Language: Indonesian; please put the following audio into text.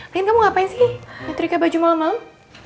kayaknya kamu ngapain sih nyetrika baju malem malem